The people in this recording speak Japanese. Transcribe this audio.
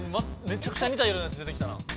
めちゃくちゃにた色のやつ出てきたな。